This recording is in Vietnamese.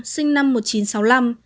sinh năm một nghìn chín trăm sáu mươi năm